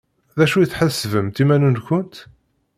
D acu i tḥesbemt iman-nkent?